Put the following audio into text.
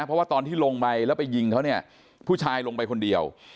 เพราะว่าตอนที่ลงไปแล้วไปยิงเขาเนี่ยผู้ชายลงไปคนเดียว